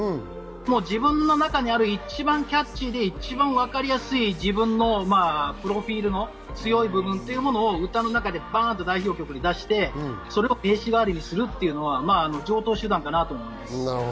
自分の中にある、一番キャッチーで一番わかりやすい自分のプロフィールの強い部分を歌の中で代表曲に出して名刺代わりにするのは常套手段かなと思います。